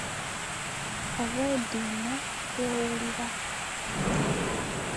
Obwediimo bw’owulira.